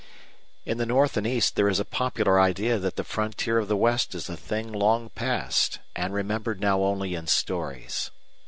In the North and East there is a popular idea that the frontier of the West is a thing long past, and remembered now only in stories.